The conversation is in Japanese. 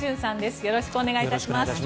よろしくお願いします。